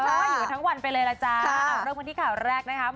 เอออยู่ทั้งวันไปเลยล่ะจ๊ะค่ะเรื่องพันที่ข่าวแรกนะคะ